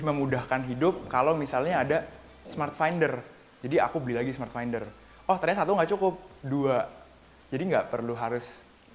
memudahkan hidup kalau misalnya ada smart finder jadi aku beli lagi smart finder oh ternyata satu enggak cukup dua jadi nggak perlu harus